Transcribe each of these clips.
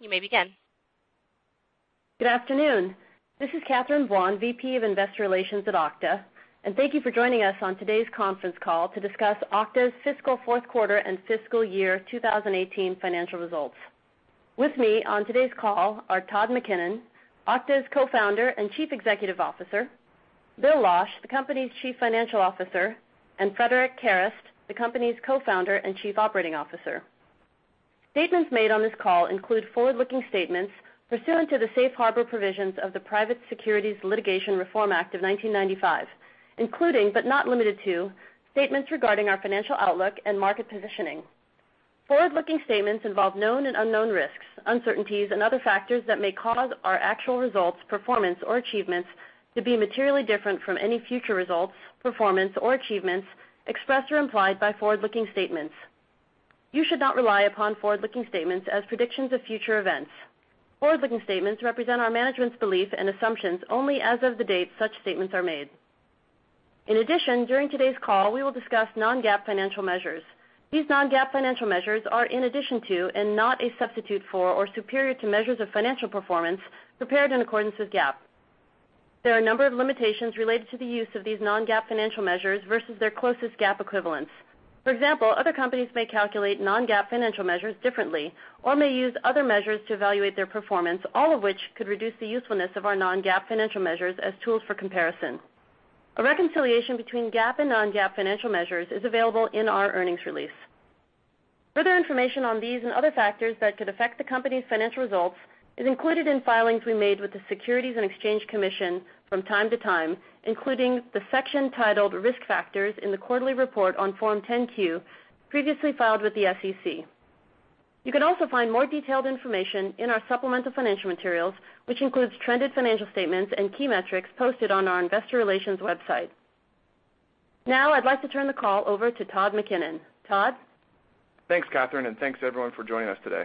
You may begin. Good afternoon. This is Catherine Buan, VP of Investor Relations at Okta, thank you for joining us on today's conference call to discuss Okta's fiscal fourth quarter and fiscal year 2018 financial results. With me on today's call are Todd McKinnon, Okta's Co-founder and Chief Executive Officer, Bill Losch, the company's Chief Financial Officer, and Frederic Kerrest, the company's Co-founder and Chief Operating Officer. Statements made on this call include forward-looking statements pursuant to the safe harbor provisions of the Private Securities Litigation Reform Act of 1995, including, but not limited to, statements regarding our financial outlook and market positioning. Forward-looking statements involve known and unknown risks, uncertainties, and other factors that may cause our actual results, performance, or achievements to be materially different from any future results, performance, or achievements expressed or implied by forward-looking statements. You should not rely upon forward-looking statements as predictions of future events. Forward-looking statements represent our management's belief and assumptions only as of the date such statements are made. In addition, during today's call, we will discuss non-GAAP financial measures. These non-GAAP financial measures are in addition to and not a substitute for or superior to measures of financial performance prepared in accordance with GAAP. There are a number of limitations related to the use of these non-GAAP financial measures versus their closest GAAP equivalents. For example, other companies may calculate non-GAAP financial measures differently or may use other measures to evaluate their performance, all of which could reduce the usefulness of our non-GAAP financial measures as tools for comparison. A reconciliation between GAAP and non-GAAP financial measures is available in our earnings release. Further information on these and other factors that could affect the company's financial results is included in filings we made with the Securities and Exchange Commission from time to time, including the section titled Risk Factors in the quarterly report on Form 10-Q previously filed with the SEC. You can also find more detailed information in our supplemental financial materials, which includes trended financial statements and key metrics posted on our investor relations website. I'd like to turn the call over to Todd McKinnon. Todd? Thanks, Catherine, and thanks to everyone for joining us today.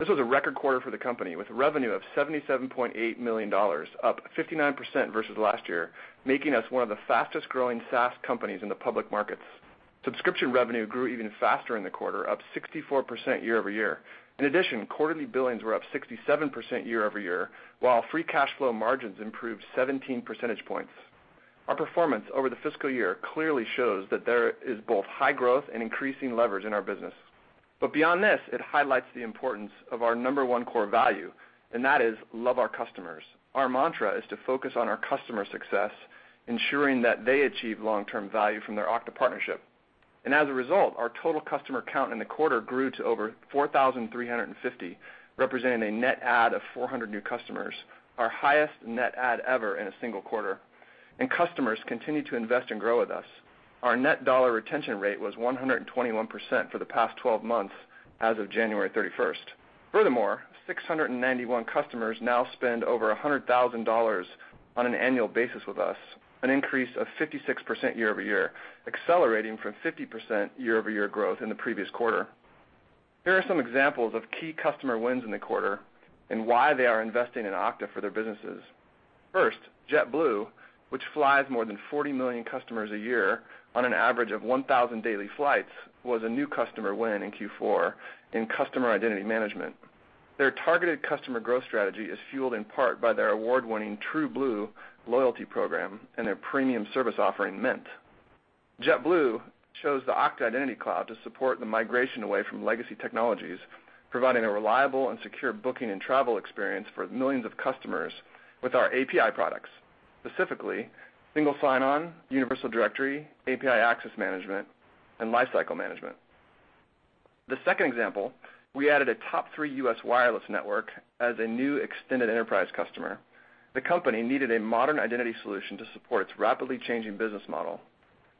This was a record quarter for the company, with revenue of $77.8 million, up 59% versus last year, making us one of the fastest-growing SaaS companies in the public markets. Subscription revenue grew even faster in the quarter, up 64% year over year. In addition, quarterly billings were up 67% year over year, while free cash flow margins improved 17 percentage points. Our performance over the fiscal year clearly shows that there is both high growth and increasing leverage in our business. Beyond this, it highlights the importance of our number one core value, and that is love our customers. Our mantra is to focus on our customer success, ensuring that they achieve long-term value from their Okta partnership. As a result, our total customer count in the quarter grew to over 4,350, representing a net add of 400 new customers, our highest net add ever in a single quarter. Customers continue to invest and grow with us. Our net dollar retention rate was 121% for the past 12 months as of January 31st. Furthermore, 691 customers now spend over $100,000 on an annual basis with us, an increase of 56% year over year, accelerating from 50% year over year growth in the previous quarter. Here are some examples of key customer wins in the quarter and why they are investing in Okta for their businesses. First, JetBlue, which flies more than 40 million customers a year on an average of 1,000 daily flights, was a new customer win in Q4 in customer identity management. Their targeted customer growth strategy is fueled in part by their award-winning TrueBlue loyalty program and their premium service offering, Mint. JetBlue chose the Okta Identity Cloud to support the migration away from legacy technologies, providing a reliable and secure booking and travel experience for millions of customers with our API products, specifically Single Sign-On, Universal Directory, API Access Management, and Lifecycle Management. The second example, we added a top three U.S. wireless network as a new extended enterprise customer. The company needed a modern identity solution to support its rapidly changing business model.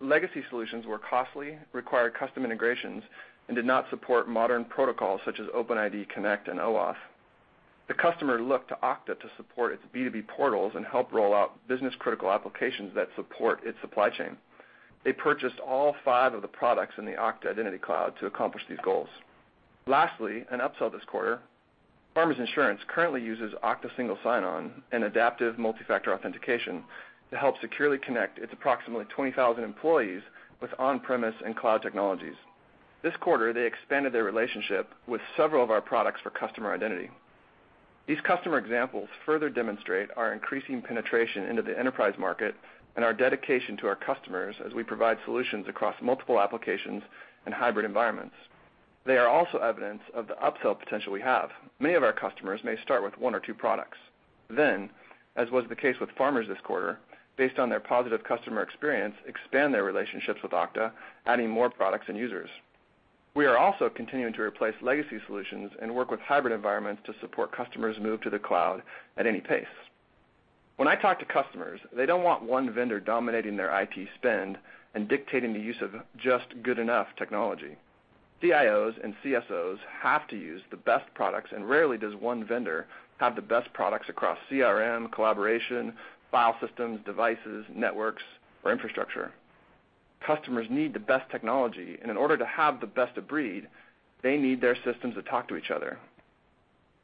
Legacy solutions were costly, required custom integrations, and did not support modern protocols such as OpenID Connect and OAuth. The customer looked to Okta to support its B2B portals and help roll out business-critical applications that support its supply chain. They purchased all five of the products in the Okta Identity Cloud to accomplish these goals. Lastly, an upsell this quarter. Farmers Insurance currently uses Okta Single Sign-On and Adaptive Multi-Factor Authentication to help securely connect its approximately 20,000 employees with on-premise and cloud technologies. This quarter, they expanded their relationship with several of our products for customer identity. These customer examples further demonstrate our increasing penetration into the enterprise market and our dedication to our customers as we provide solutions across multiple applications and hybrid environments. They are also evidence of the upsell potential we have. Many of our customers may start with one or two products, then, as was the case with Farmers this quarter, based on their positive customer experience, expand their relationships with Okta, adding more products and users. We are also continuing to replace legacy solutions and work with hybrid environments to support customers move to the cloud at any pace. When I talk to customers, they don't want one vendor dominating their IT spend and dictating the use of just good enough technology. CIOs and CSOs have to use the best products, and rarely does one vendor have the best products across CRM, collaboration, file systems, devices, networks, or infrastructure. Customers need the best technology, and in order to have the best of breed, they need their systems to talk to each other.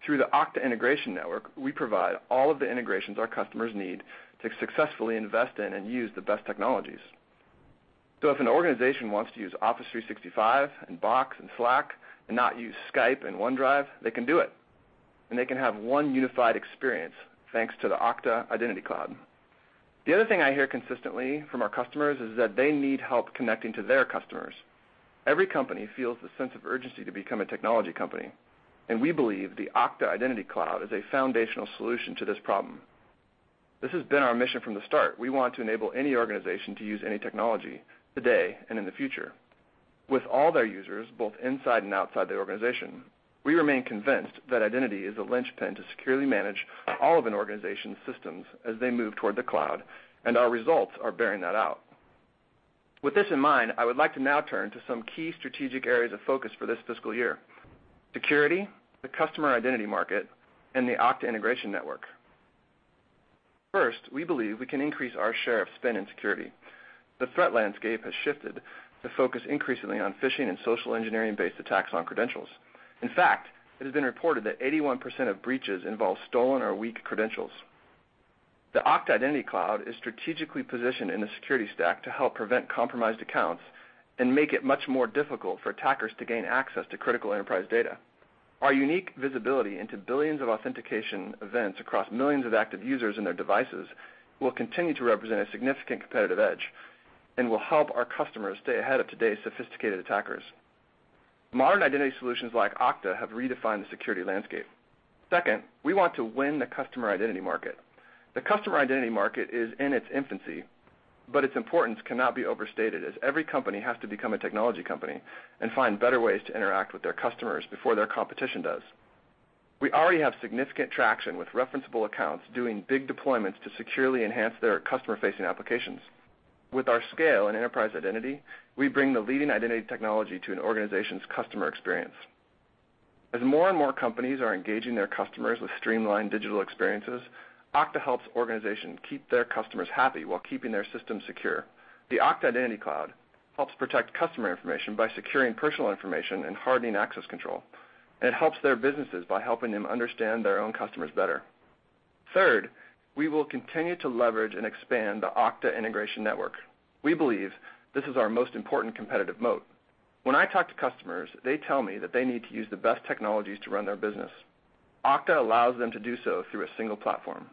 Through the Okta Integration Network, we provide all of the integrations our customers need to successfully invest in and use the best technologies. If an organization wants to use Office 365 and Box and Slack and not use Skype and OneDrive, they can do it, and they can have one unified experience thanks to the Okta Identity Cloud. The other thing I hear consistently from our customers is that they need help connecting to their customers. Every company feels the sense of urgency to become a technology company. We believe the Okta Identity Cloud is a foundational solution to this problem. This has been our mission from the start. We want to enable any organization to use any technology today and in the future. With all their users both inside and outside the organization, we remain convinced that Identity is a linchpin to securely manage all of an organization's systems as they move toward the cloud. Our results are bearing that out. With this in mind, I would like to now turn to some key strategic areas of focus for this fiscal year: security, the customer identity market, and the Okta Integration Network. First, we believe we can increase our share of spend and security. The threat landscape has shifted the focus increasingly on phishing and social engineering-based attacks on credentials. In fact, it has been reported that 81% of breaches involve stolen or weak credentials. The Okta Identity Cloud is strategically positioned in the security stack to help prevent compromised accounts and make it much more difficult for attackers to gain access to critical enterprise data. Our unique visibility into billions of authentication events across millions of active users and their devices will continue to represent a significant competitive edge and will help our customers stay ahead of today's sophisticated attackers. Modern identity solutions like Okta have redefined the security landscape. Second, we want to win the customer identity market. Its importance cannot be overstated as every company has to become a technology company and find better ways to interact with their customers before their competition does. We already have significant traction with referenceable accounts doing big deployments to securely enhance their customer-facing applications. With our scale in enterprise identity, we bring the leading identity technology to an organization's customer experience. As more and more companies are engaging their customers with streamlined digital experiences, Okta helps organizations keep their customers happy while keeping their systems secure. The Okta Identity Cloud helps protect customer information by securing personal information and hardening access control. It helps their businesses by helping them understand their own customers better. Third, we will continue to leverage and expand the Okta Integration Network. We believe this is our most important competitive moat. When I talk to customers, they tell me that they need to use the best technologies to run their business. Okta allows them to do so through a single platform.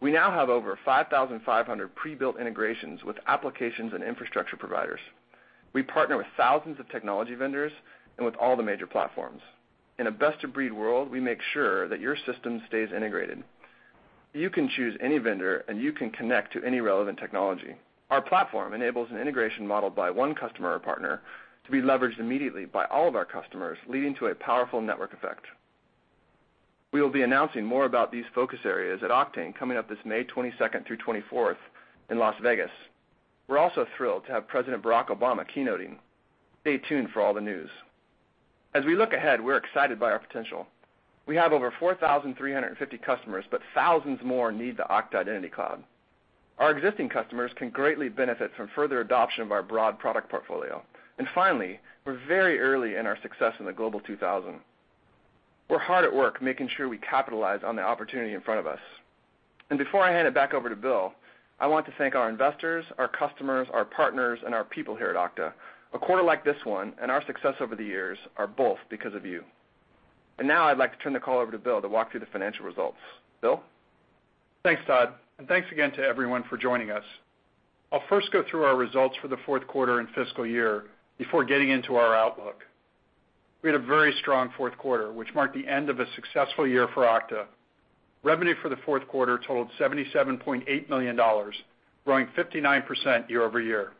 We now have over 5,500 pre-built integrations with applications and infrastructure providers. We partner with thousands of technology vendors and with all the major platforms. In a best-of-breed world, we make sure that your system stays integrated. You can choose any vendor, and you can connect to any relevant technology. Our platform enables an integration model by one customer or partner to be leveraged immediately by all of our customers, leading to a powerful network effect. We will be announcing more about these focus areas at Oktane18 coming up this May 22nd through 24th in Las Vegas. We're also thrilled to have President Barack Obama keynoting. Stay tuned for all the news. As we look ahead, we're excited by our potential. We have over 4,350 customers, but thousands more need the Okta Identity Cloud. Our existing customers can greatly benefit from further adoption of our broad product portfolio. Finally, we're very early in our success in the Global 2000. We're hard at work making sure we capitalize on the opportunity in front of us. Before I hand it back over to Bill, I want to thank our investors, our customers, our partners, and our people here at Okta. A quarter like this one and our success over the years are both because of you. Now I'd like to turn the call over to Bill to walk through the financial results. Bill? Thanks, Todd, and thanks again to everyone for joining us. I'll first go through our results for the fourth quarter and fiscal year before getting into our outlook. We had a very strong fourth quarter, which marked the end of a successful year for Okta. Revenue for the fourth quarter totaled $77.8 million, growing 59% year-over-year.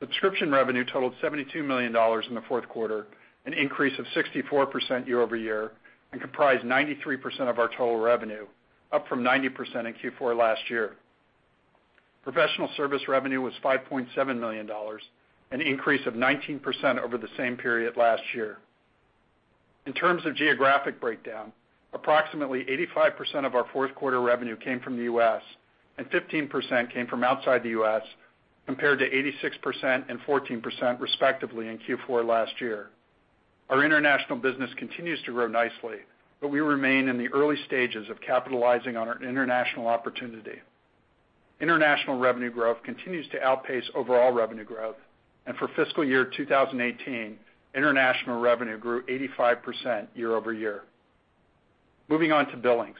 Subscription revenue totaled $72 million in the fourth quarter, an increase of 64% year-over-year, and comprised 93% of our total revenue, up from 90% in Q4 last year. Professional service revenue was $5.7 million, an increase of 19% over the same period last year. In terms of geographic breakdown, approximately 85% of our fourth quarter revenue came from the U.S., and 15% came from outside the U.S., compared to 86% and 14%, respectively, in Q4 last year. Our international business continues to grow nicely, but we remain in the early stages of capitalizing on our international opportunity. International revenue growth continues to outpace overall revenue growth, and for fiscal year 2018, international revenue grew 85% year-over-year. Moving on to billings.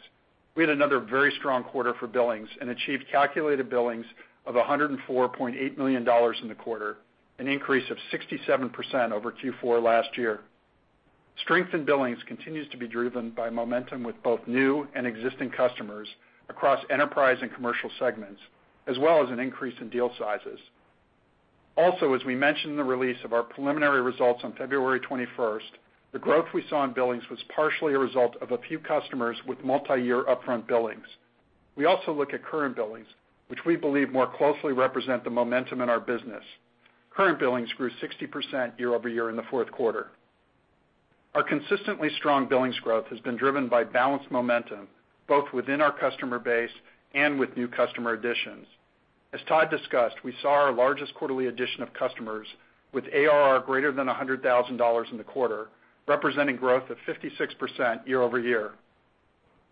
We had another very strong quarter for billings and achieved calculated billings of $104.8 million in the quarter, an increase of 67% over Q4 last year. Strengthened billings continues to be driven by momentum with both new and existing customers across enterprise and commercial segments, as well as an increase in deal sizes. Also, as we mentioned in the release of our preliminary results on February 21st, the growth we saw in billings was partially a result of a few customers with multi-year upfront billings. We also look at current billings, which we believe more closely represent the momentum in our business. Current billings grew 60% year-over-year in the fourth quarter. Our consistently strong billings growth has been driven by balanced momentum, both within our customer base and with new customer additions. As Todd discussed, we saw our largest quarterly addition of customers with ARR greater than $100,000 in the quarter, representing growth of 56% year-over-year.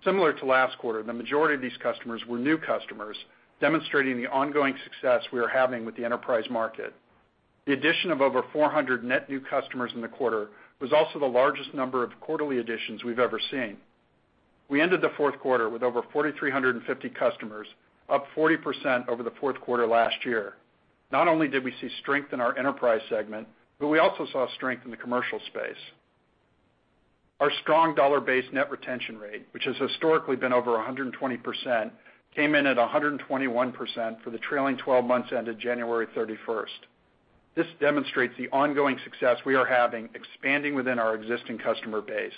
Similar to last quarter, the majority of these customers were new customers, demonstrating the ongoing success we are having with the enterprise market. The addition of over 400 net new customers in the quarter was also the largest number of quarterly additions we've ever seen. We ended the fourth quarter with over 4,350 customers, up 40% over the fourth quarter last year. Not only did we see strength in our enterprise segment, but we also saw strength in the commercial space. Our strong dollar-based net retention rate, which has historically been over 120%, came in at 121% for the trailing 12 months ended January 31st. This demonstrates the ongoing success we are having expanding within our existing customer base.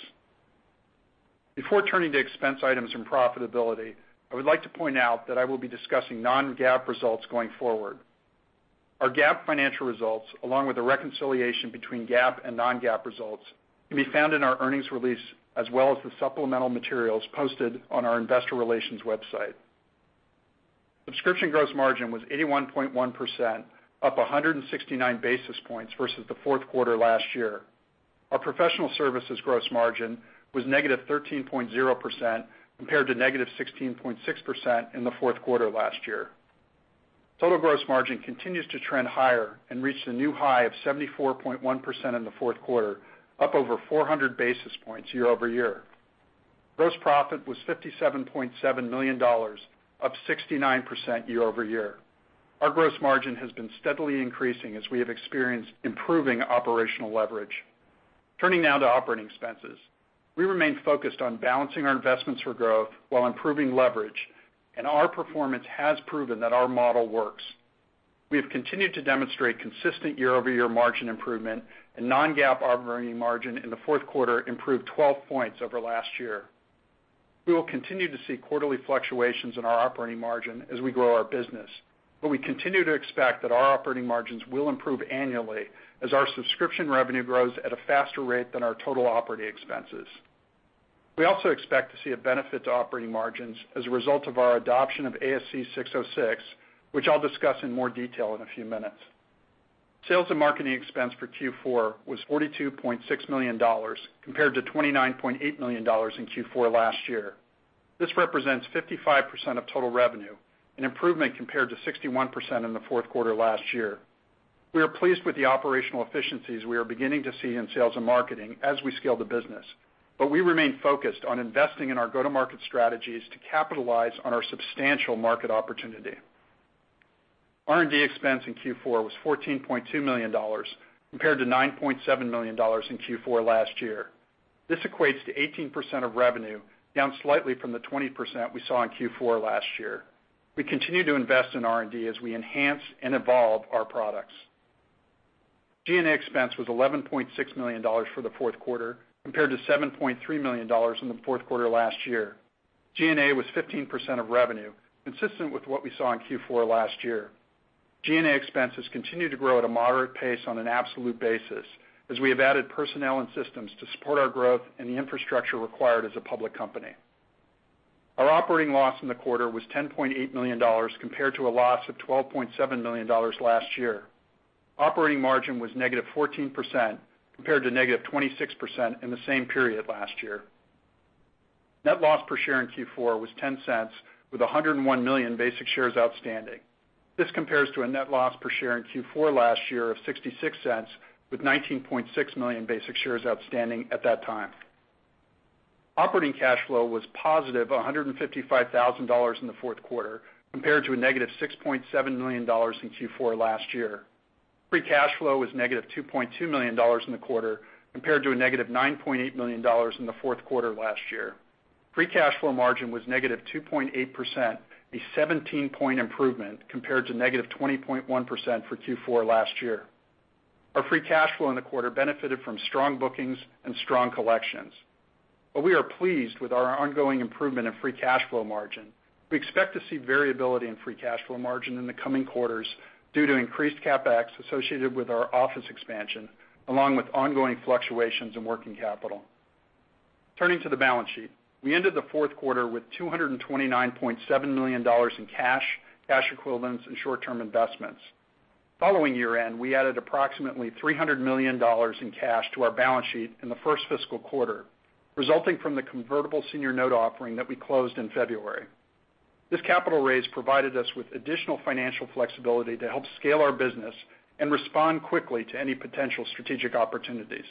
Before turning to expense items and profitability, I would like to point out that I will be discussing non-GAAP results going forward. Our GAAP financial results, along with the reconciliation between GAAP and non-GAAP results, can be found in our earnings release as well as the supplemental materials posted on our investor relations website. Subscription gross margin was 81.1%, up 169 basis points versus the fourth quarter last year. Our professional services gross margin was negative 13.0% compared to negative 16.6% in the fourth quarter last year. Total gross margin continues to trend higher and reached a new high of 74.1% in the fourth quarter, up over 400 basis points year-over-year. Gross profit was $57.7 million, up 69% year-over-year. Our gross margin has been steadily increasing as we have experienced improving operational leverage. Turning now to operating expenses. We remain focused on balancing our investments for growth while improving leverage. Our performance has proven that our model works. We have continued to demonstrate consistent year-over-year margin improvement, and non-GAAP operating margin in the fourth quarter improved 12 points over last year. We will continue to see quarterly fluctuations in our operating margin as we grow our business, but we continue to expect that our operating margins will improve annually as our subscription revenue grows at a faster rate than our total operating expenses. We also expect to see a benefit to operating margins as a result of our adoption of ASC 606, which I'll discuss in more detail in a few minutes. Sales and marketing expense for Q4 was $42.6 million, compared to $29.8 million in Q4 last year. This represents 55% of total revenue, an improvement compared to 61% in the fourth quarter last year. We are pleased with the operational efficiencies we are beginning to see in sales and marketing as we scale the business, but we remain focused on investing in our go-to-market strategies to capitalize on our substantial market opportunity. R&D expense in Q4 was $14.2 million, compared to $9.7 million in Q4 last year. This equates to 18% of revenue, down slightly from the 20% we saw in Q4 last year. We continue to invest in R&D as we enhance and evolve our products. G&A expense was $11.6 million for the fourth quarter, compared to $7.3 million in the fourth quarter last year. G&A was 15% of revenue, consistent with what we saw in Q4 last year. G&A expenses continue to grow at a moderate pace on an absolute basis, as we have added personnel and systems to support our growth and the infrastructure required as a public company. Our operating loss in the quarter was $10.8 million, compared to a loss of $12.7 million last year. Operating margin was negative 14%, compared to negative 26% in the same period last year. Net loss per share in Q4 was $0.10, with 101 million basic shares outstanding. This compares to a net loss per share in Q4 last year of $0.66, with 19.6 million basic shares outstanding at that time. Operating cash flow was positive $155,000 in the fourth quarter, compared to a negative $6.7 million in Q4 last year. Free cash flow was negative $2.2 million in the quarter, compared to a negative $9.8 million in the fourth quarter last year. Free cash flow margin was negative 2.8%, a 17-point improvement compared to negative 20.1% for Q4 last year. Our free cash flow in the quarter benefited from strong bookings and strong collections. While we are pleased with our ongoing improvement in free cash flow margin, we expect to see variability in free cash flow margin in the coming quarters due to increased CapEx associated with our office expansion, along with ongoing fluctuations in working capital. Turning to the balance sheet. We ended the fourth quarter with $229.7 million in cash equivalents, and short-term investments. Following year-end, we added approximately $300 million in cash to our balance sheet in the first fiscal quarter, resulting from the convertible senior note offering that we closed in February. This capital raise provided us with additional financial flexibility to help scale our business and respond quickly to any potential strategic opportunities.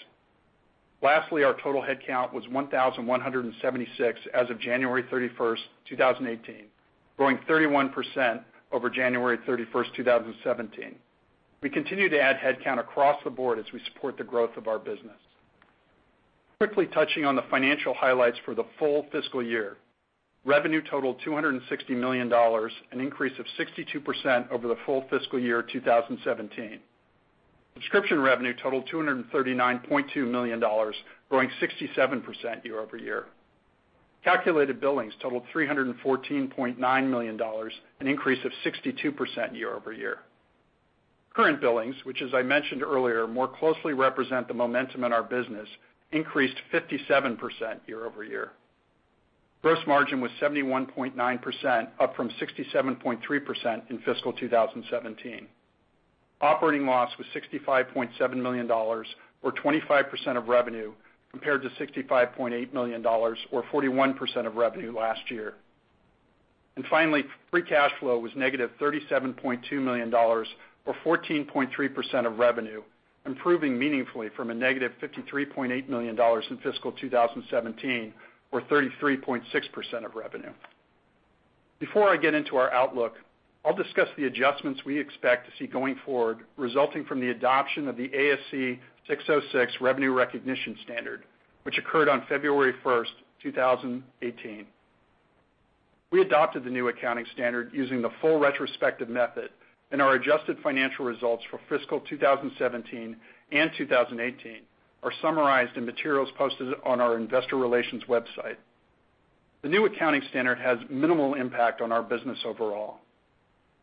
Lastly, our total headcount was 1,176 as of January 31st, 2018, growing 31% over January 31st, 2017. We continue to add headcount across the board as we support the growth of our business. Quickly touching on the financial highlights for the full fiscal year. Revenue totaled $260 million, an increase of 62% over the full fiscal year 2017. Subscription revenue totaled $239.2 million, growing 67% year-over-year. Calculated billings totaled $314.9 million, an increase of 62% year-over-year. Current billings, which as I mentioned earlier, more closely represent the momentum in our business, increased 57% year-over-year. Gross margin was 71.9%, up from 67.3% in fiscal 2017. Operating loss was $65.7 million, or 25% of revenue, compared to $65.8 million, or 41% of revenue last year. Finally, free cash flow was negative $37.2 million or 14.3% of revenue, improving meaningfully from a negative $53.8 million in fiscal 2017, or 33.6% of revenue. Before I get into our outlook, I'll discuss the adjustments we expect to see going forward resulting from the adoption of the ASC 606 revenue recognition standard, which occurred on February 1st, 2018. We adopted the new accounting standard using the full retrospective method, and our adjusted financial results for fiscal 2017 and 2018 are summarized in materials posted on our investor relations website. The new accounting standard has minimal impact on our business overall.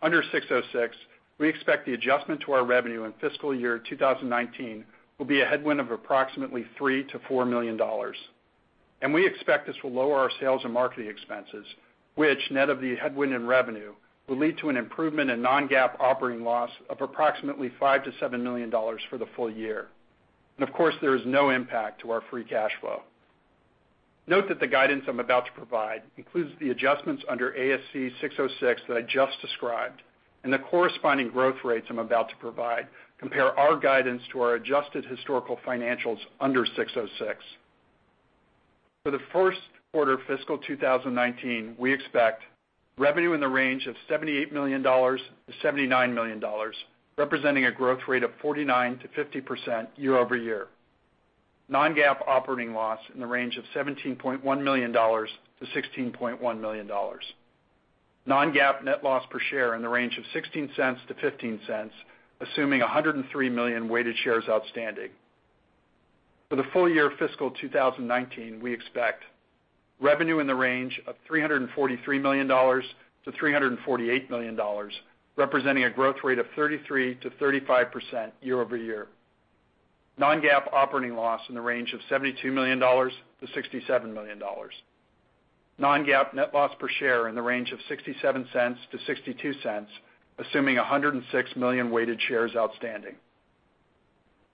Under 606, we expect the adjustment to our revenue in fiscal year 2019 will be a headwind of approximately $3 million-$4 million. We expect this will lower our sales and marketing expenses, which net of the headwind in revenue, will lead to an improvement in non-GAAP operating loss of approximately $5 million-$7 million for the full year. Of course, there is no impact to our free cash flow. Note that the guidance I'm about to provide includes the adjustments under ASC 606 that I just described, and the corresponding growth rates I'm about to provide compare our guidance to our adjusted historical financials under 606. For the first quarter of fiscal 2019, we expect revenue in the range of $78 million-$79 million, representing a growth rate of 49%-50% year-over-year. Non-GAAP operating loss in the range of $17.1 million-$16.1 million. Non-GAAP net loss per share in the range of $0.16-$0.15, assuming 103 million weighted shares outstanding. For the full year fiscal 2019, we expect revenue in the range of $343 million-$348 million, representing a growth rate of 33%-35% year-over-year. Non-GAAP operating loss in the range of $72 million-$67 million. Non-GAAP net loss per share in the range of $0.67-$0.62, assuming 106 million weighted shares outstanding.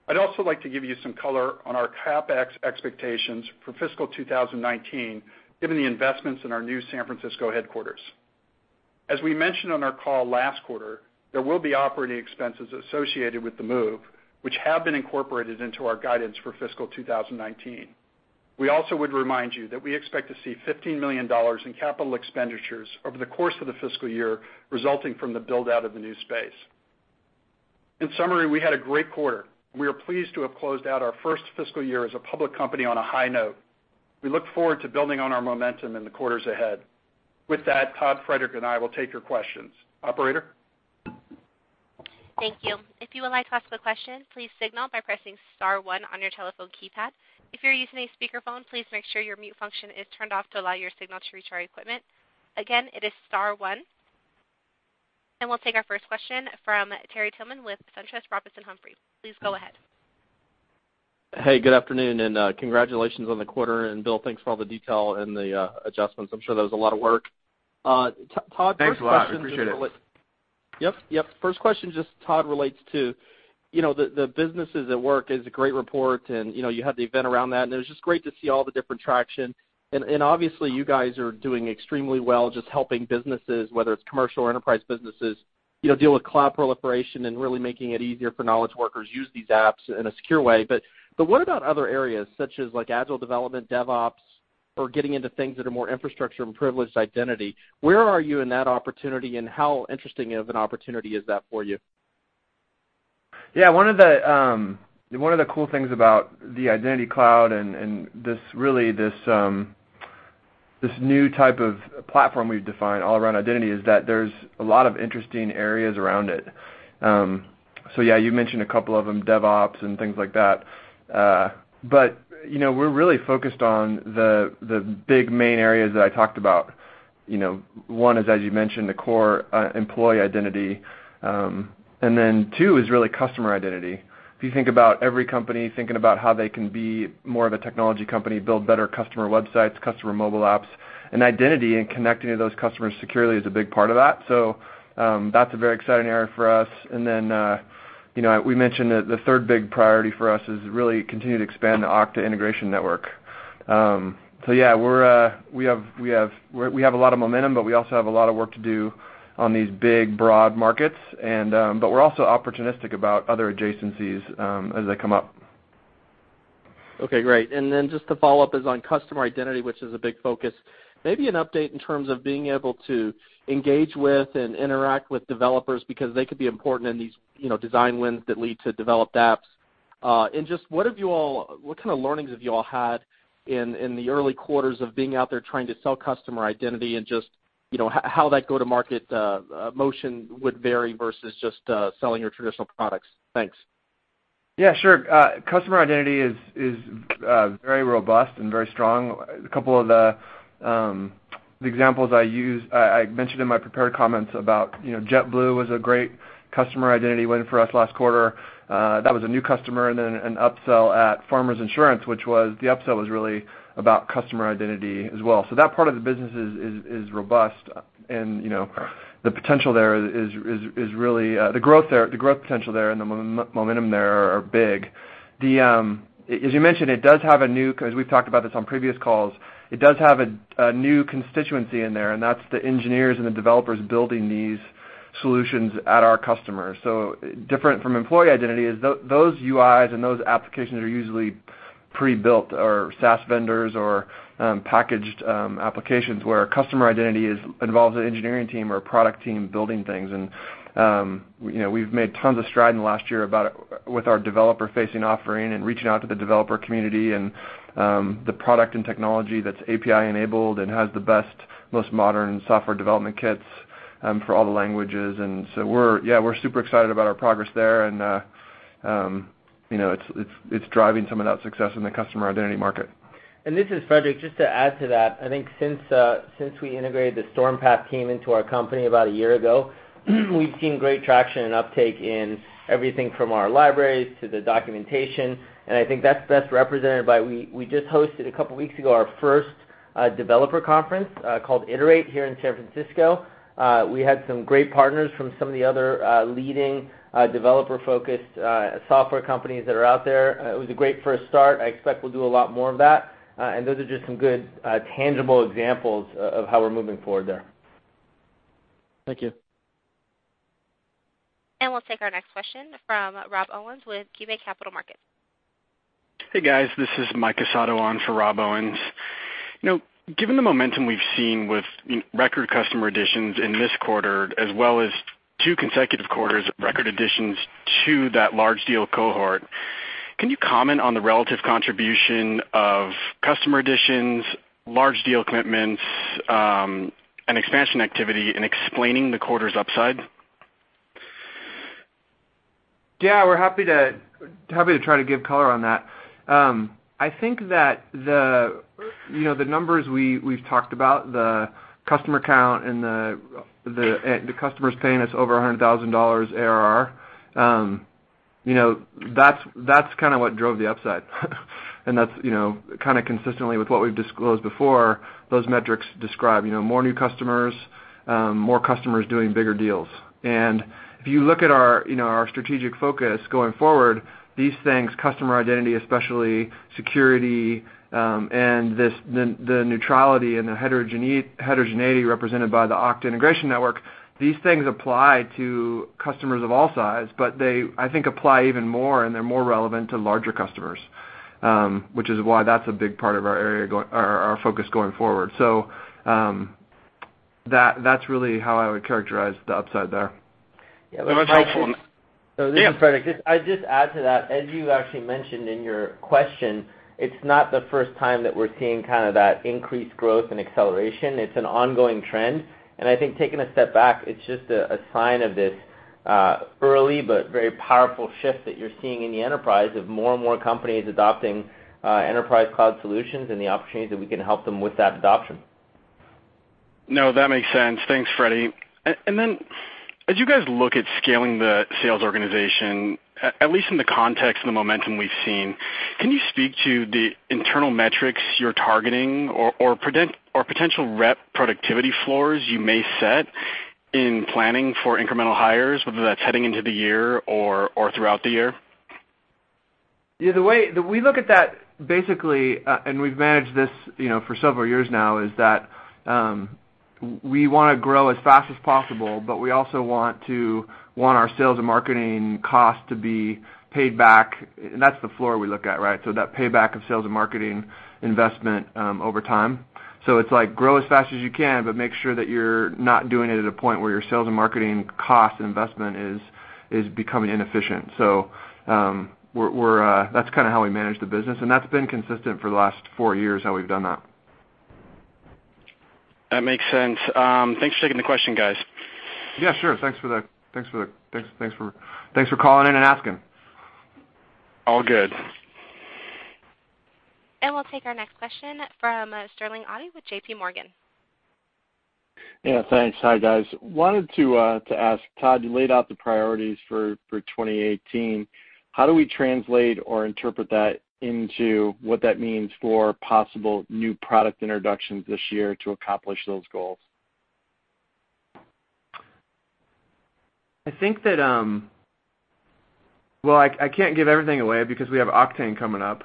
I'd also like to give you some color on our CapEx expectations for fiscal 2019, given the investments in our new San Francisco headquarters. As we mentioned on our call last quarter, there will be operating expenses associated with the move, which have been incorporated into our guidance for fiscal 2019. We also would remind you that we expect to see $15 million in capital expenditures over the course of the fiscal year, resulting from the build-out of the new space. In summary, we had a great quarter. We are pleased to have closed out our first fiscal year as a public company on a high note. We look forward to building on our momentum in the quarters ahead. With that, Todd and Frederic will take your questions. Operator? Thank you. If you would like to ask a question, please signal by pressing star one on your telephone keypad. If you're using a speakerphone, please make sure your mute function is turned off to allow your signal to reach our equipment. Again, it is star one. We'll take our first question from Terry Tillman with SunTrust Robinson Humphrey. Please go ahead. Hey, good afternoon, and congratulations on the quarter. Bill, thanks for all the detail and the adjustments. I'm sure that was a lot of work. Todd- Thanks a lot. Appreciate it. Yep. First question, just Todd relates to the businesses at work is a great report, and you had the event around that, and it was just great to see all the different traction. Obviously, you guys are doing extremely well just helping businesses, whether it's commercial or enterprise businesses, deal with cloud proliferation and really making it easier for knowledge workers use these apps in a secure way. What about other areas, such as agile development, DevOps, or getting into things that are more infrastructure and privileged identity? Where are you in that opportunity, and how interesting of an opportunity is that for you? Yeah, one of the cool things about the Okta Identity Cloud and this new type of platform we've defined all around identity is that there's a lot of interesting areas around it. Yeah, you mentioned a couple of them, DevOps and things like that. We're really focused on the big main areas that I talked about. One is, as you mentioned, the core employee identity. Two is really customer identity. If you think about every company thinking about how they can be more of a technology company, build better customer websites, customer mobile apps, and identity and connecting to those customers securely is a big part of that. That's a very exciting area for us. We mentioned the third big priority for us is really continue to expand the Okta Integration Network. Yeah, we have a lot of momentum, but we also have a lot of work to do on these big, broad markets. We're also opportunistic about other adjacencies as they come up. Okay, great. Just to follow up is on Customer Identity, which is a big focus. Maybe an update in terms of being able to engage with and interact with developers because they could be important in these design wins that lead to developed apps. Just what kind of learnings have you all had in the early quarters of being out there trying to sell Customer Identity and just how that go to market motion would vary versus just selling your traditional products? Thanks. Yeah, sure. Customer Identity is very robust and very strong. A couple of the examples I mentioned in my prepared comments about JetBlue was a great Customer Identity win for us last quarter. That was a new customer and then an upsell at Farmers Insurance, which was the upsell was really about Customer Identity as well. That part of the business is robust and the growth potential there and the momentum there are big. As you mentioned, we've talked about this on previous calls, it does have a new constituency in there, and that's the engineers and the developers building these solutions at our customers. Different from employee identity is those UIs and those applications are usually pre-built or SaaS vendors or packaged applications where Customer Identity involves an engineering team or a product team building things. We've made tons of strides in the last year with our developer-facing offering and reaching out to the developer community and the product and technology that's API-enabled and has the best, most modern SDKs for all the languages. We're super excited about our progress there, and it's driving some of that success in the Customer Identity market. This is Frederic. Just to add to that, I think since we integrated the Stormpath team into our company about a year ago, we've seen great traction and uptake in everything from our libraries to the documentation. I think that's best represented by, we just hosted a couple of weeks ago, our first developer conference, called Iterate, here in San Francisco. We had some great partners from some of the other leading developer-focused software companies that are out there. It was a great first start. I expect we'll do a lot more of that. Those are just some good tangible examples of how we're moving forward there. Thank you. We'll take our next question from Rob Owens with KeyBanc Capital Markets. Hey, guys. This is Mike Sato on for Rob Owens. Given the momentum we've seen with record customer additions in this quarter, as well as two consecutive quarters of record additions to that large deal cohort, can you comment on the relative contribution of customer additions, large deal commitments, and expansion activity in explaining the quarter's upside? We're happy to try to give color on that. I think that the numbers we've talked about, the customer count and the customers paying us over $100,000 ARR, that's kind of what drove the upside. That's kind of consistently with what we've disclosed before. Those metrics describe more new customers, more customers doing bigger deals. If you look at our strategic focus going forward, these things, customer identity especially, security, and the neutrality and the heterogeneity represented by the Okta Integration Network, these things apply to customers of all size, but they, I think, apply even more and they're more relevant to larger customers, which is why that's a big part of our focus going forward. That's really how I would characterize the upside there. That was helpful. This is Frederic. Yeah. I'd just add to that, as you actually mentioned in your question, it's not the first time that we're seeing that increased growth and acceleration. It's an ongoing trend. I think taking a step back, it's just a sign of this early but very powerful shift that you're seeing in the enterprise of more and more companies adopting enterprise cloud solutions and the opportunities that we can help them with that adoption. No, that makes sense. Thanks, Freddy. As you guys look at scaling the sales organization, at least in the context of the momentum we've seen, can you speak to the internal metrics you're targeting or potential rep productivity floors you may set in planning for incremental hires, whether that's heading into the year or throughout the year? The way that we look at that, basically, we've managed this for several years now, we want to grow as fast as possible, but we also want our sales and marketing cost to be paid back. That's the floor we look at, right? That payback of sales and marketing investment over time. It's like grow as fast as you can, but make sure that you're not doing it at a point where your sales and marketing cost investment is becoming inefficient. That's kind of how we manage the business, and that's been consistent for the last four years, how we've done that. That makes sense. Thanks for taking the question, guys. Yeah, sure. Thanks for calling in and asking. All good. We'll take our next question from Sterling Auty with JP Morgan. Yeah, thanks. Hi, guys. Wanted to ask, Todd, you laid out the priorities for 2018. How do we translate or interpret that into what that means for possible new product introductions this year to accomplish those goals? I think that Well, I can't give everything away because we have Oktane18 coming up.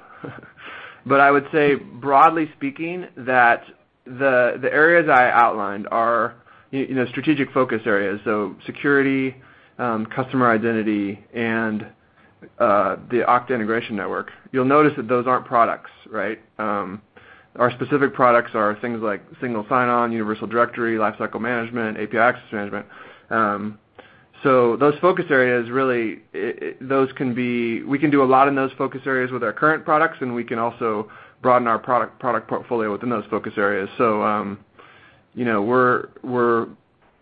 I would say, broadly speaking, that the areas I outlined are strategic focus areas. Security, customer identity, and the Okta Integration Network. You'll notice that those aren't products, right? Our specific products are things like Single Sign-On, Universal Directory, Lifecycle Management, API Access Management. Those focus areas, we can do a lot in those focus areas with our current products, and we can also broaden our product portfolio within those focus areas.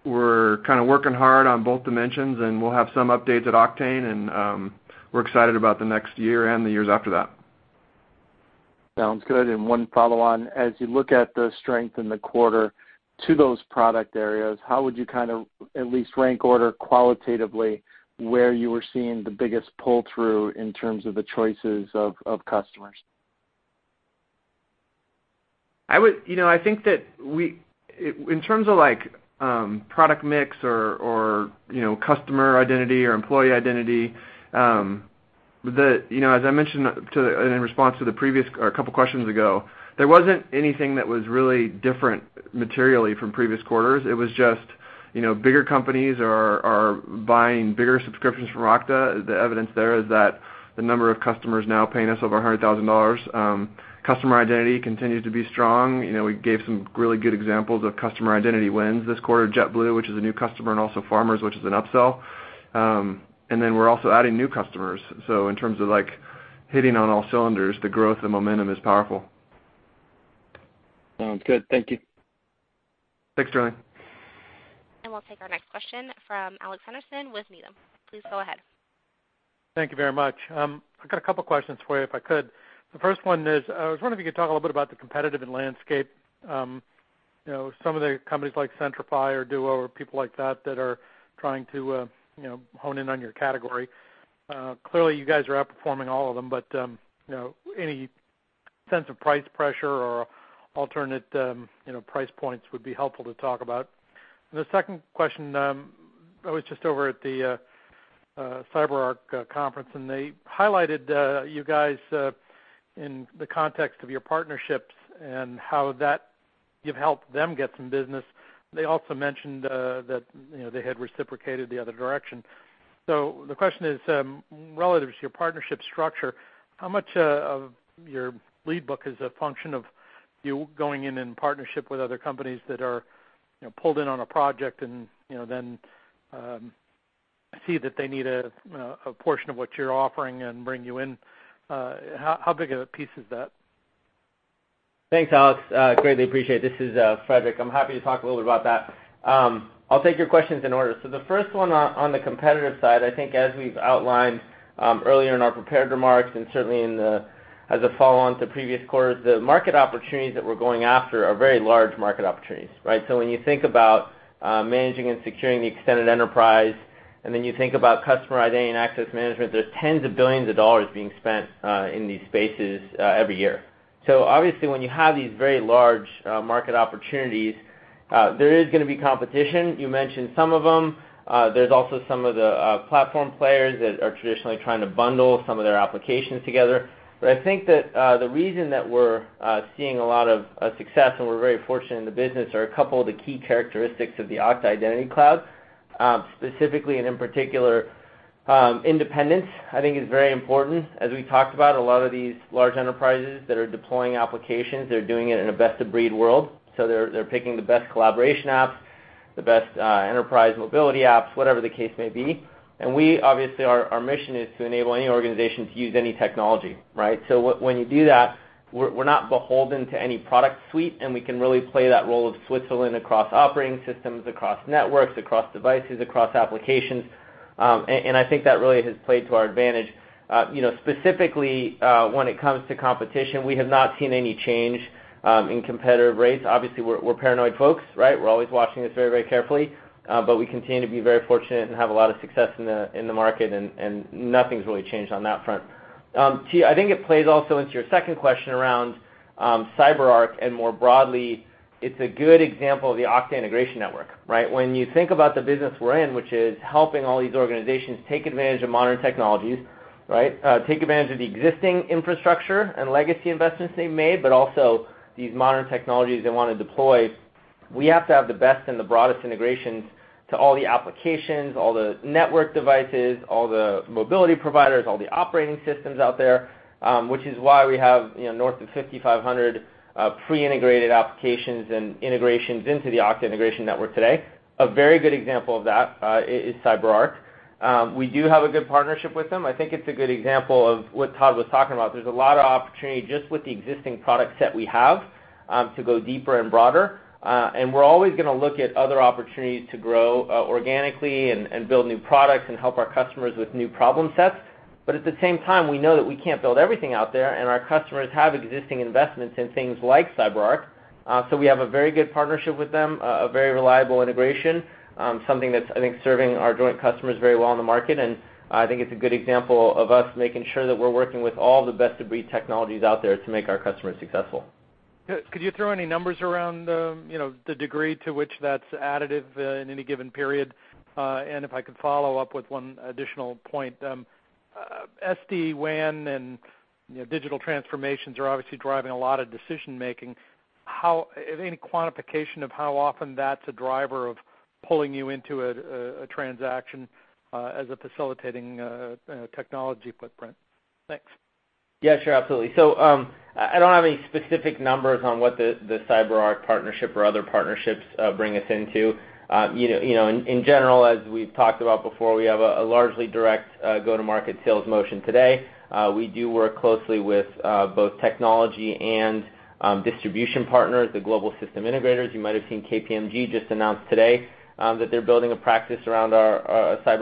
We're kind of working hard on both dimensions, and we'll have some updates at Oktane18, and we're excited about the next year and the years after that. Sounds good. One follow-on. As you look at the strength in the quarter to those product areas, how would you kind of at least rank order qualitatively where you are seeing the biggest pull-through in terms of the choices of customers? I think that in terms of product mix or customer identity or employee identity, as I mentioned in response to a previous couple questions ago, there wasn't anything that was really different materially from previous quarters. It was just bigger companies are buying bigger subscriptions from Okta. The evidence there is that the number of customers now paying us over $100,000. Customer identity continues to be strong. We gave some really good examples of customer identity wins this quarter, JetBlue, which is a new customer, and also Farmers, which is an upsell. We're also adding new customers. In terms of hitting on all cylinders, the growth and momentum is powerful. Sounds good. Thank you. Thanks, Charlie. We'll take our next question from Alex Henderson with Needham. Please go ahead. Thank you very much. I've got a couple questions for you, if I could. The first one is, I was wondering if you could talk a little bit about the competitive landscape. Some of the companies like Centrify or Duo or people like that are trying to hone in on your category. Clearly you guys are outperforming all of them, but any sense of price pressure or alternate price points would be helpful to talk about. The second question, I was just over at the CyberArk conference, and they highlighted you guys in the context of your partnerships and how that you've helped them get some business. They also mentioned that they had reciprocated the other direction. The question is, relative to your partnership structure, how much of your lead book is a function of you going in in partnership with other companies that are pulled in on a project and then see that they need a portion of what you're offering and bring you in? How big of a piece is that? Thanks, Alex. Greatly appreciate it. This is Frederic. I'm happy to talk a little bit about that. I'll take your questions in order. The first one on the competitive side, I think as we've outlined earlier in our prepared remarks and certainly as a follow-on to previous quarters, the market opportunities that we're going after are very large market opportunities, right? When you think about managing and securing the extended enterprise, and then you think about customer identity and access management, there's tens of billions of dollars being spent in these spaces every year. Obviously when you have these very large market opportunities, there is going to be competition. You mentioned some of them. There's also some of the platform players that are traditionally trying to bundle some of their applications together. I think that the reason that we're seeing a lot of success, and we're very fortunate in the business, are a couple of the key characteristics of the Okta Identity Cloud. Specifically and in particular, independence I think is very important. As we talked about, a lot of these large enterprises that are deploying applications, they're doing it in a best of breed world. They're picking the best collaboration apps, the best enterprise mobility apps, whatever the case may be. Obviously our mission is to enable any organization to use any technology, right? When you do that, we're not beholden to any product suite, and we can really play that role of Switzerland across operating systems, across networks, across devices, across applications. I think that really has played to our advantage. Specifically when it comes to competition, we have not seen any change in competitive rates. Obviously, we're paranoid folks, right? We're always watching this very carefully. We continue to be very fortunate and have a lot of success in the market, and nothing's really changed on that front. I think it plays also into your second question around CyberArk, and more broadly, it's a good example of the Okta Integration Network, right? When you think about the business we're in, which is helping all these organizations take advantage of modern technologies, right? Take advantage of the existing infrastructure and legacy investments they've made, but also these modern technologies they want to deploy. We have to have the best and the broadest integrations to all the applications, all the network devices, all the mobility providers, all the operating systems out there, which is why we have north of 5,500 pre-integrated applications and integrations into the Okta Integration Network today. A very good example of that is CyberArk. We do have a good partnership with them. I think it's a good example of what Todd was talking about. There's a lot of opportunity just with the existing product set we have to go deeper and broader. We're always going to look at other opportunities to grow organically and build new products and help our customers with new problem sets. At the same time, we know that we can't build everything out there, and our customers have existing investments in things like CyberArk. We have a very good partnership with them, a very reliable integration, something that's, I think, serving our joint customers very well in the market, I think it's a good example of us making sure that we're working with all the best-of-breed technologies out there to make our customers successful. Could you throw any numbers around the degree to which that's additive in any given period? If I could follow up with one additional point. SD-WAN and digital transformations are obviously driving a lot of decision-making. Any quantification of how often that's a driver of pulling you into a transaction as a facilitating technology footprint? Thanks. Yeah, sure. Absolutely. I don't have any specific numbers on what the CyberArk partnership or other partnerships bring us into. In general, as we've talked about before, we have a largely direct go-to-market sales motion today. We do work closely with both technology and distribution partners, the global system integrators. You might have seen KPMG just announced today that they're building a cyber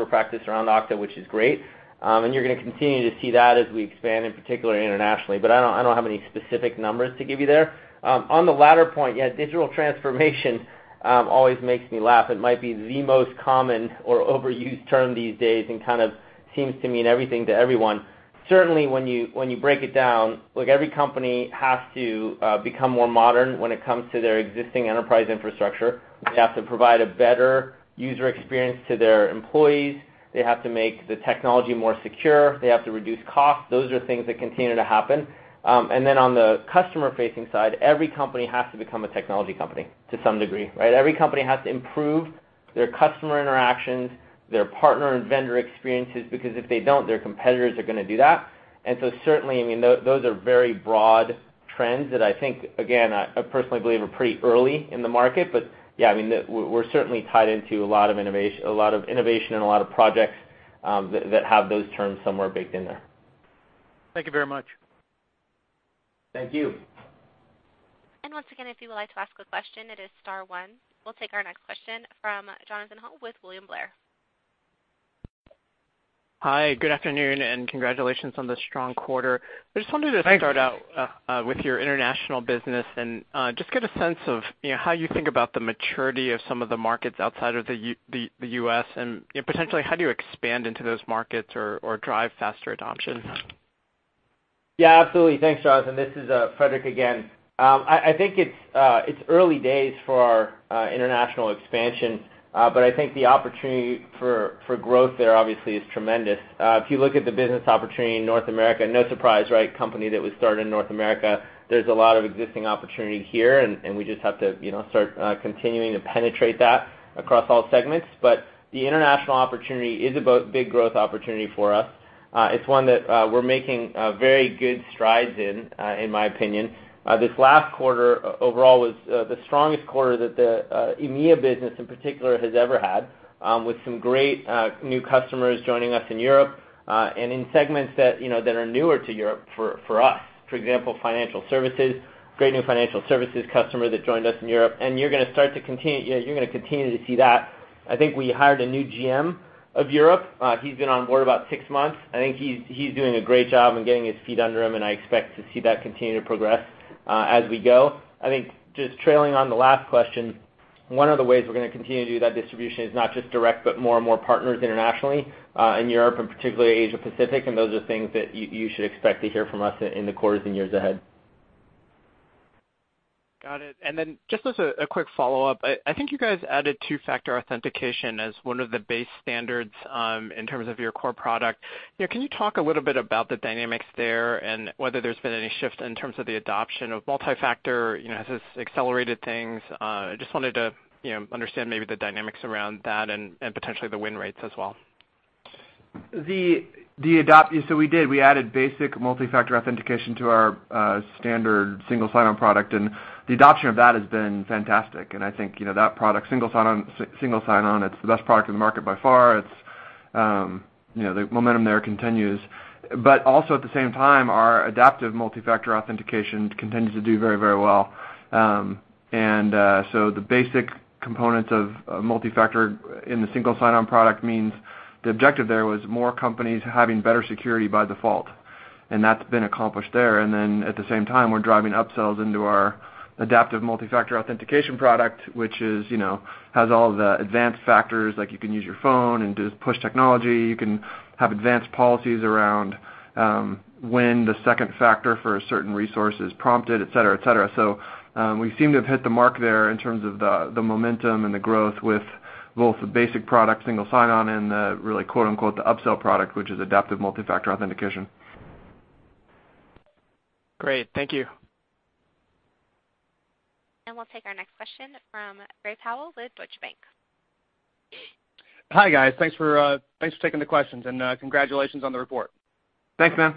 practice around Okta, which is great. You're going to continue to see that as we expand, in particular internationally. I don't have any specific numbers to give you there. On the latter point, yeah, digital transformation always makes me laugh. It might be the most common or overused term these days and kind of seems to mean everything to everyone. Certainly when you break it down, every company has to become more modern when it comes to their existing enterprise infrastructure. They have to provide a better user experience to their employees. They have to make the technology more secure. They have to reduce costs. Those are things that continue to happen. Then on the customer-facing side, every company has to become a technology company to some degree, right? Every company has to improve their customer interactions, their partner and vendor experiences, because if they don't, their competitors are going to do that. Certainly, those are very broad trends that I think, again, I personally believe are pretty early in the market. Yeah, we're certainly tied into a lot of innovation and a lot of projects that have those terms somewhere baked in there. Thank you very much. Thank you. Once again, if you would like to ask a question, it is star one. We'll take our next question from Jonathan Ho with William Blair. Hi, good afternoon, congratulations on the strong quarter. Thank you. I just wanted to start out with your international business and just get a sense of how you think about the maturity of some of the markets outside of the U.S., and potentially how do you expand into those markets or drive faster adoption? Yeah, absolutely. Thanks, Jonathan. This is Frederic again. I think it's early days for our international expansion, but I think the opportunity for growth there obviously is tremendous. If you look at the business opportunity in North America, no surprise, right? Company that was started in North America, there's a lot of existing opportunity here, and we just have to start continuing to penetrate that across all segments. The international opportunity is a big growth opportunity for us. It's one that we're making very good strides in my opinion. This last quarter overall was the strongest quarter that the EMEA business in particular has ever had, with some great new customers joining us in Europe, and in segments that are newer to Europe for us. For example, financial services, great new financial services customer that joined us in Europe. You're going to continue to see that. I think we hired a new GM of Europe. He's been on board about six months. I think he's doing a great job in getting his feet under him, and I expect to see that continue to progress as we go. I think just trailing on the last question, one of the ways we're going to continue to do that distribution is not just direct, but more and more partners internationally, in Europe and particularly Asia Pacific. Those are things that you should expect to hear from us in the quarters and years ahead. Got it. Then just as a quick follow-up, I think you guys added two-factor authentication as one of the base standards in terms of your core product. Can you talk a little bit about the dynamics there and whether there's been any shift in terms of the adoption of multi-factor? Has this accelerated things? I just wanted to understand maybe the dynamics around that and potentially the win rates as well. We added basic multi-factor authentication to our standard Single Sign-On product, the adoption of that has been fantastic, I think that product, Single Sign-On, it's the best product in the market by far. The momentum there continues. Also at the same time, our Adaptive Multi-Factor Authentication continues to do very well. The basic components of multi-factor in the Single Sign-On product means the objective there was more companies having better security by default, that's been accomplished there. At the same time, we're driving upsales into our Adaptive Multi-Factor Authentication product, which has all the advanced factors, like you can use your phone and do push technology. You can have advanced policies around when the second factor for a certain resource is prompted, et cetera. We seem to have hit the mark there in terms of the momentum and the growth with both the basic product, Single Sign-On, and the really "upsale product," which is Adaptive Multi-Factor Authentication. Great. Thank you. We'll take our next question from Gray Powell with Deutsche Bank. Hi, guys. Thanks for taking the questions, congratulations on the report. Thanks, man.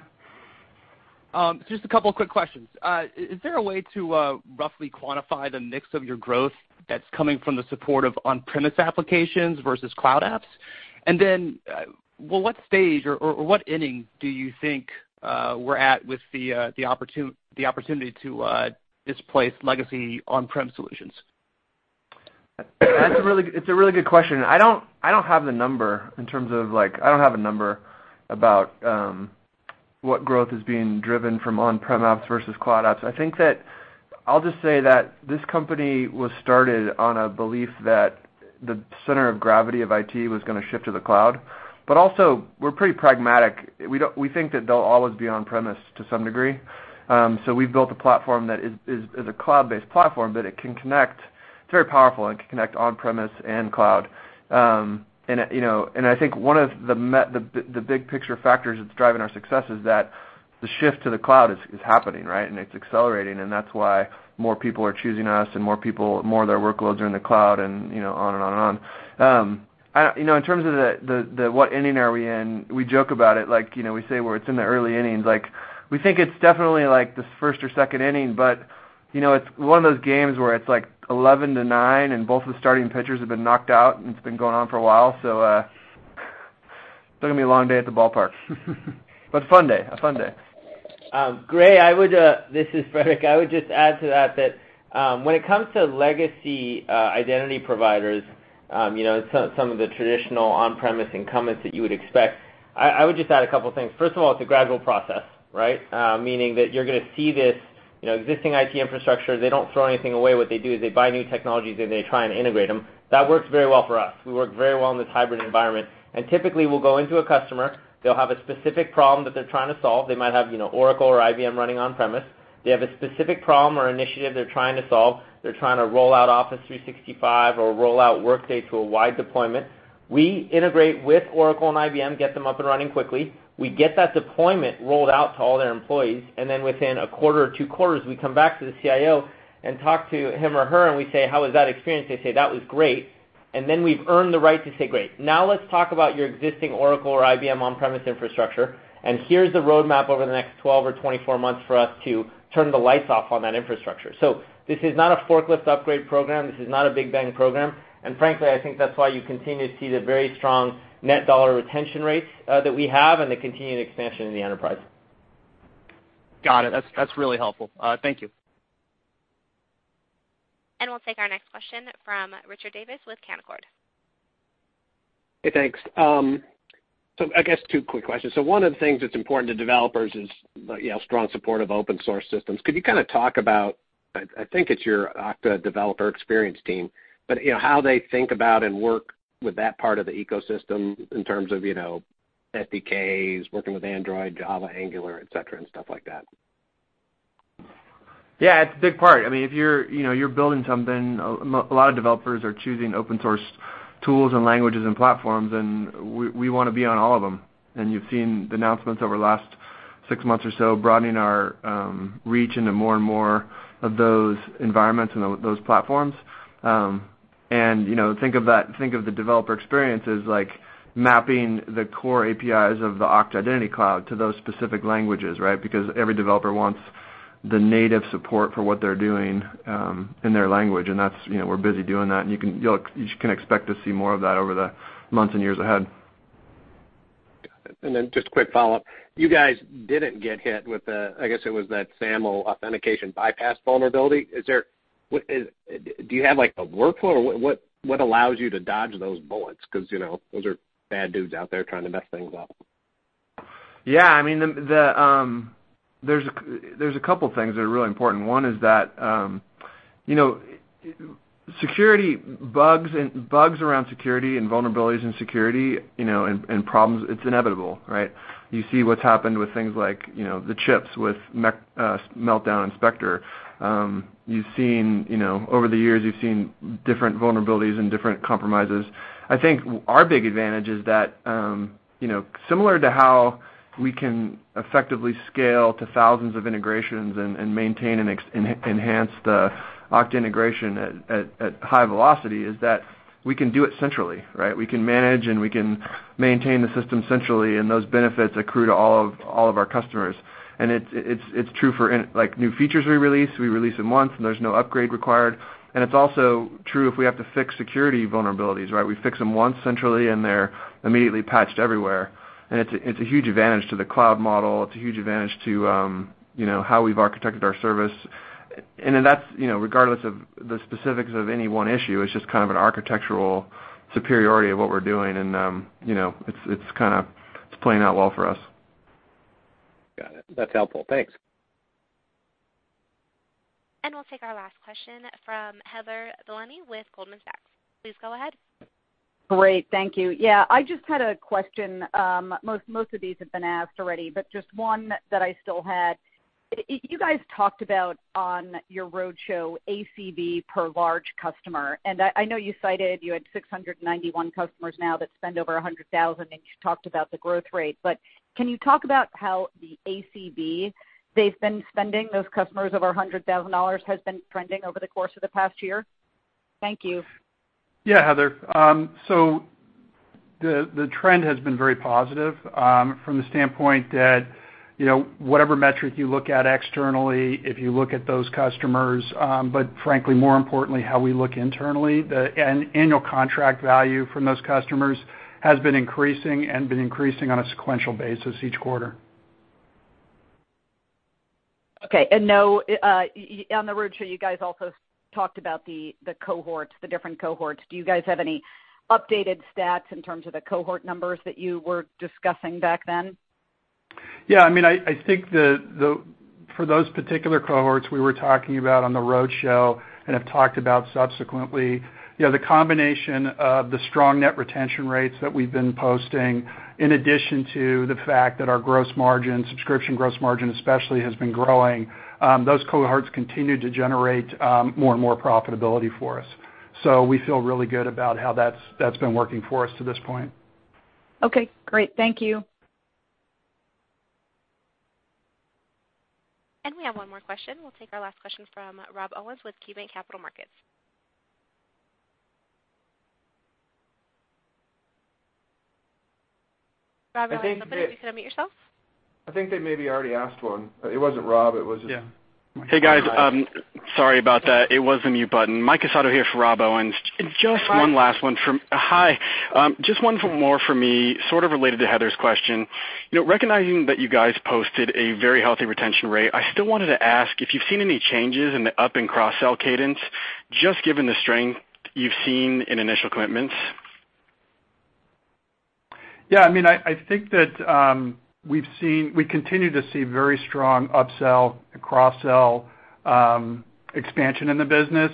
Just a couple of quick questions. Is there a way to roughly quantify the mix of your growth that's coming from the support of on-premise applications versus cloud apps? What stage or what inning do you think we're at with the opportunity to displace legacy on-prem solutions? It's a really good question. I don't have the number about what growth is being driven from on-prem apps versus cloud apps. I'll just say that this company was started on a belief that the center of gravity of IT was going to shift to the cloud. Also, we're pretty pragmatic. We think that they'll always be on-premise to some degree. We've built a platform that is a cloud-based platform, but it's very powerful and can connect on-premise and cloud. I think one of the big picture factors that's driving our success is that the shift to the cloud is happening, right? It's accelerating, and that's why more people are choosing us and more of their workloads are in the cloud, and on and on. In terms of the what inning are we in, we joke about it like, we say we're in the early innings. We think it's definitely the first or second inning, but it's one of those games where it's 11 to nine and both the starting pitchers have been knocked out, and it's been going on for a while. It's going to be a long day at the ballpark. A fun day. Gray, this is Frederic. I would just add to that, when it comes to legacy identity providers, some of the traditional on-premise incumbents that you would expect, I would just add a couple things. First of all, it's a gradual process, right? Meaning that you're going to see Existing IT infrastructure, they don't throw anything away. What they do is they buy new technologies, and they try and integrate them. That works very well for us. We work very well in this hybrid environment. Typically, we'll go into a customer, they'll have a specific problem that they're trying to solve. They might have Oracle or IBM running on-premise. They have a specific problem or initiative they're trying to solve. They're trying to roll out Office 365 or roll out Workday to a wide deployment. We integrate with Oracle and IBM, get them up and running quickly. We get that deployment rolled out to all their employees, then within a quarter or two quarters, we come back to the CIO and talk to him or her, and we say, "How was that experience?" They say, "That was great." Then we've earned the right to say, "Great. Now let's talk about your existing Oracle or IBM on-premise infrastructure, and here's the roadmap over the next 12 or 24 months for us to turn the lights off on that infrastructure." This is not a forklift upgrade program. This is not a big bang program. Frankly, I think that's why you continue to see the very strong net dollar retention rate that we have and the continued expansion in the enterprise. Got it. That's really helpful. Thank you. We'll take our next question from Richard Davis with Canaccord. Hey, thanks. I guess two quick questions. One of the things that's important to developers is strong support of open source systems. Could you kind of talk about, I think it's your Okta developer experience team, but how they think about and work with that part of the ecosystem in terms of SDKs, working with Android, Java, Angular, et cetera, and stuff like that? Yeah, it's a big part. If you're building something, a lot of developers are choosing open source tools and languages and platforms, and we want to be on all of them. You've seen the announcements over the last six months or so broadening our reach into more and more of those environments and those platforms. Think of the developer experience as like mapping the core APIs of the Okta Identity Cloud to those specific languages, right? Because every developer wants the native support for what they're doing in their language, and we're busy doing that, and you can expect to see more of that over the months and years ahead. Got it. Then just a quick follow-up. You guys didn't get hit with the, I guess it was that SAML authentication bypass vulnerability. Do you have a workflow, or what allows you to dodge those bullets? Because those are bad dudes out there trying to mess things up. Yeah, there's a couple things that are really important. One is that security bugs, and bugs around security and vulnerabilities in security, and problems, it's inevitable, right? You see what's happened with things like the chips with Meltdown and Spectre. Over the years, you've seen different vulnerabilities and different compromises. I think our big advantage is that similar to how we can effectively scale to thousands of integrations and maintain and enhance the Okta integration at high velocity is that we can do it centrally, right? We can manage, and we can maintain the system centrally, and those benefits accrue to all of our customers. It's true for new features we release. We release them once, and there's no upgrade required. It's also true if we have to fix security vulnerabilities, right? We fix them once centrally, and they're immediately patched everywhere. It's a huge advantage to the cloud model. It's a huge advantage to how we've architected our service. That's regardless of the specifics of any one issue, it's just kind of an architectural superiority of what we're doing, and it's playing out well for us. Got it. That's helpful. Thanks. We'll take our last question from Heather Bellini with Goldman Sachs. Please go ahead. Great. Thank you. I just had a question. Most of these have been asked already, but just one that I still had. You guys talked about on your roadshow ACV per large customer, and I know you cited you had 691 customers now that spend over $100,000, and you talked about the growth rate. Can you talk about how the ACV they've been spending, those customers over $100,000, has been trending over the course of the past year? Thank you. Yeah, Heather. The trend has been very positive from the standpoint that whatever metric you look at externally, if you look at those customers, but frankly, more importantly, how we look internally, the annual contract value from those customers has been increasing and been increasing on a sequential basis each quarter. Okay, on the roadshow, you guys also talked about the different cohorts. Do you guys have any updated stats in terms of the cohort numbers that you were discussing back then? Yeah, I think for those particular cohorts we were talking about on the roadshow, and have talked about subsequently, the combination of the strong net retention rates that we've been posting, in addition to the fact that our subscription gross margin especially has been growing, those cohorts continue to generate more and more profitability for us. We feel really good about how that's been working for us to this point. Okay, great. Thank you. We have one more question. We will take our last question from Rob Owens with KeyBanc Capital Markets. Rob, you are on mute. Could you unmute yourself? I think they maybe already asked one. It was not Rob. It was. Yeah. Hey, guys. Sorry about that. It was the mute button. Mike Asato here for Rob Owens. Hi. Hi. Just one more for me, sort of related to Heather's question. Recognizing that you guys posted a very healthy retention rate, I still wanted to ask if you've seen any changes in the up and cross-sell cadence, just given the strength you've seen in initial commitments? Yeah, I think that we continue to see very strong up-sell and cross-sell expansion in the business.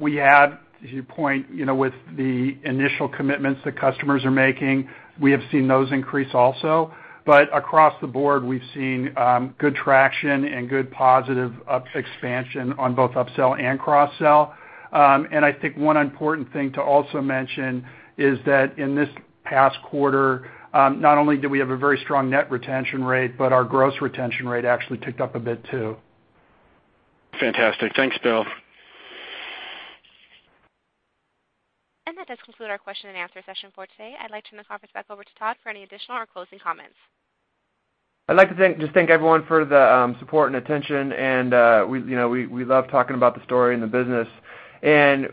We had, as you point, with the initial commitments that customers are making, we have seen those increase also. Across the board, we've seen good traction and good positive expansion on both up-sell and cross-sell. I think one important thing to also mention is that in this past quarter, not only did we have a very strong net retention rate, but our gross retention rate actually ticked up a bit too. Fantastic. Thanks, Bill. That does conclude our question and answer session for today. I'd like to turn the conference back over to Todd for any additional or closing comments. I'd like to just thank everyone for the support and attention, and we love talking about the story and the business.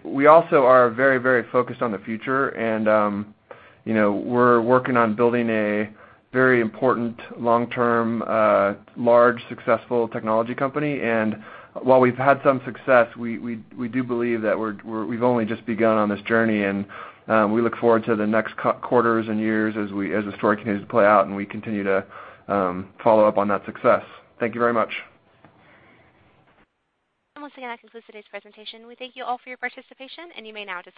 We also are very focused on the future, and we're working on building a very important long-term, large, successful technology company. While we've had some success, we do believe that we've only just begun on this journey, and we look forward to the next quarters and years as the story continues to play out and we continue to follow up on that success. Thank you very much. Once again, that concludes today's presentation. We thank you all for your participation, and you may now disconnect.